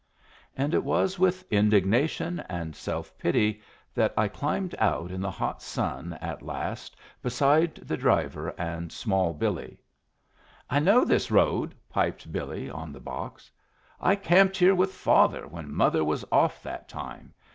And it was with indignation and self pity that I climbed out in the hot sun at last beside the driver and small Billy. "I know this road," piped Billy, on the box "'I camped here with father when mother was off that time.